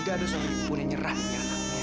gak ada suami ibu pun yang nyerahin anaknya